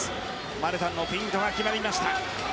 マルタンのフェイントが決まりました。